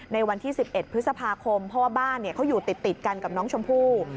ในวันที่๑๑พฤษภาคมเพราะว่าบ้านเขาอยู่ติดกันกับน้องชมพู่